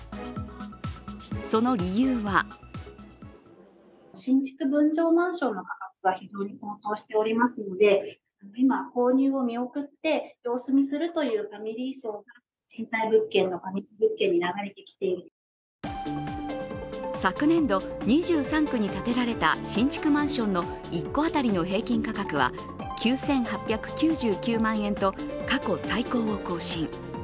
その理由は昨年度、２３区に建てられた新築マンションの１戸当たりの平均価格は９８９９万円と過去最高を更新。